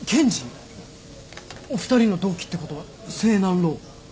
お二人の同期ってことは青南ロー？